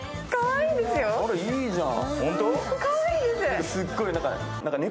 いいじゃん。